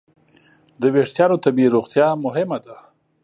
د وېښتیانو طبیعي روغتیا مهمه ده.